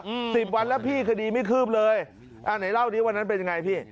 อืมสิบวันแล้วพี่คดีไม่คืบเลยอ่าไหนเล่านี้วันนั้นเป็นยังไงพี่